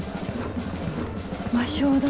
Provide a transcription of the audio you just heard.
魔性だ